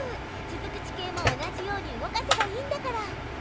続く地形も同じように動かせばいいんだから。